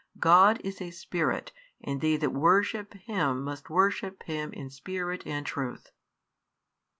God is a Spirit, and they that worship Him must worship Him in spirit and truth.